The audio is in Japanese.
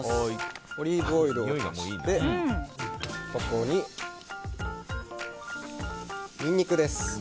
オリーブオイルを熱してここに、ニンニクです。